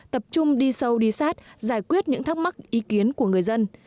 tập trung đi sâu đi sát giải quyết những thắc mắc ý kiến của người dân